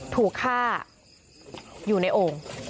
ถูกฆ่าอยู่ในโอ่ง